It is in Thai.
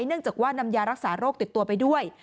เนื่องจากว่านำยารักษาโรคติดตัวไปด้วย